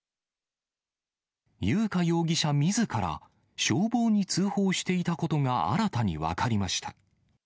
優花容疑者みずから、消防に通報していたことが新たに分かりました。